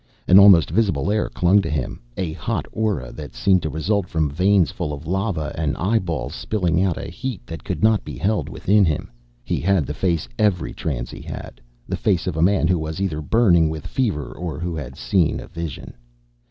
An almost visible air clung to him, a hot aura that seemed to result from veins full of lava and eyeballs spilling out a heat that could not be held within him. He had the face every transie had, the face of a man who was either burning with fever or who had seen a vision.